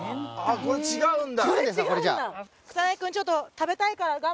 これ違うんだ。